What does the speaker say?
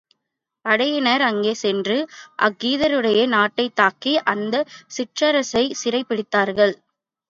படையினர் அங்கே சென்று, அக்கீதருடைய நாட்டைத் தாக்கி, அந்தச் சிற்றரசரைச் சிறைப் பிடித்தார்கள்.